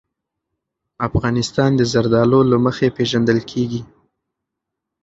افغانستان د زردالو له مخې پېژندل کېږي.